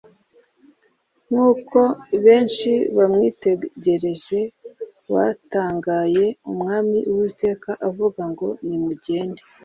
nk uko benshi bamwitegereje batangayeumwami uwiteka avuga ngo nimugende